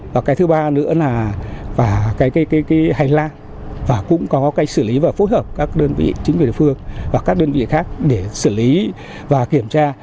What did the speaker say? và cái thứ ba nữa là cái hành lang và cũng có cái xử lý và phối hợp các đơn vị chính quyền địa phương và các đơn vị khác để xử lý và kiểm tra